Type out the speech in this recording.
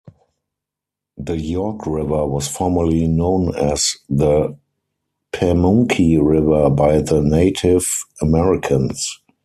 The York River was formerly known as the Pamunkey River by the Native Americans.